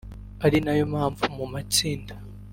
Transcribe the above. ari nayo mpamvu mu matsinda